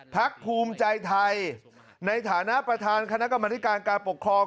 พักภูมิใจไทยในฐานะประธานคณะกรรมนิการการปกครอง